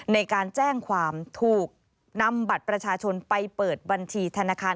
ในการแจ้งความถูกนำบัตรประชาชนไปเปิดบัญชีธนาคาร